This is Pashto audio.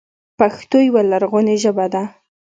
پښتو يوه لرغونې ژبه ده.